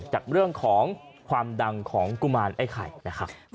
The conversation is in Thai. จากเรื่องของความดังของกุมารไอ้ไข่นะครับ